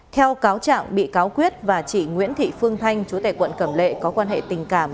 theo cáo trạng bị cáo quyết và chị nguyễn thị phương thanh chú tại quận cẩm lệ có quan hệ tình cảm